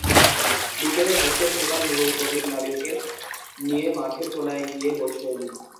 বিকেলে hostel super Nurul Kabir নাবিলকে নিয়ে মাঠের কোনায় গিয়ে বসলেন।